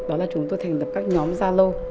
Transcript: đó là chúng tôi thành lập các nhóm gia lô